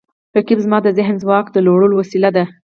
رقیب زما د ذهني ځواک د لوړولو وسیله ده